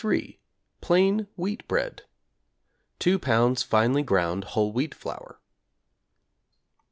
Plain Wheat Bread= 2 lbs. finely ground whole wheat flour.